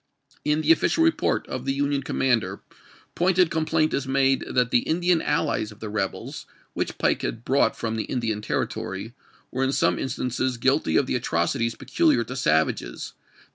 In the official report of the Union commander pointed complaint is made that the jjobie Indian allies of the rebels, which Pike had brought ^ApriMiT' from the Indian Territory, were in some instances Sf^'uj guilty of the atrocities peculiar to savages; that Muy 11.